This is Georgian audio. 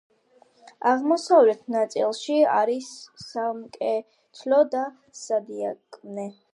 აღმოსავლეთი ნაწილში არის სამკვეთლო და სადიაკვნე.